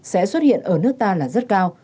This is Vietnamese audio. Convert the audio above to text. sẽ xuất hiện ở nước ta là rất cao